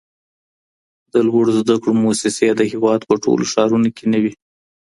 د لوړو زده کړو موسسې د هېواد په ټولو ښارونو کي نه وي.